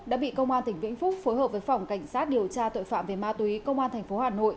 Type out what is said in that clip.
đã bị công an tỉnh vĩnh phúc phối hợp với phòng cảnh sát điều tra tội phạm về ma túy công an tp hà nội